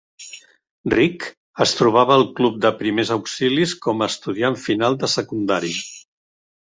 Rick es trobava al club de primers auxilis com a estudiant final de secundària.